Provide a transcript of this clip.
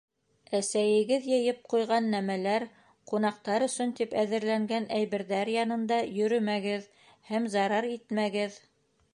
Әсәйегеҙ йыйып ҡуйған нәмәләр, ҡунаҡтар өсөн тип әҙерләнгән әйберҙәр янында йөрөмәгеҙ һәм зарар итмәгеҙ!